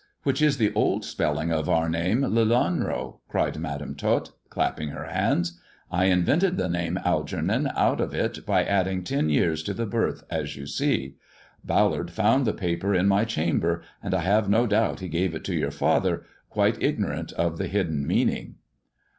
Which is the old spelling of our name Lelanro," cried Madam Tot, clapping her hands. '* I in vented the name Algernon out of it by adding ten years to the birth, as you see. Ballard found the paper in my chamber, and I have no doubt he gave it to your father, quite ignorant of the hidden meaning."